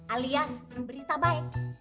alias berita baik